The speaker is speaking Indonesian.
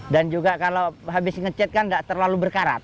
dan juga kalau habis nge cet kan tidak terlalu berkarat